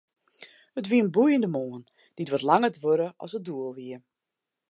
It wie in boeiende moarn, dy't wat langer duorre as it doel wie.